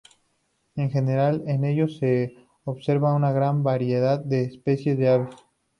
En general en ello se observa una gran variedad de especies de aves.